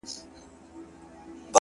زور او زير مي ستا په لاس کي وليدی،